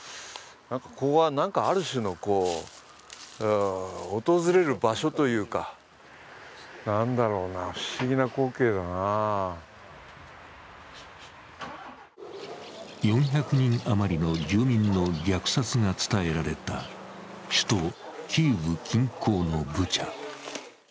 ここがなにかある種の訪れる場所というか、なんだろうな、不思議な光景だなぁ４００人余りの住民の虐殺が伝えられた首都キーウ近郊のブチャ。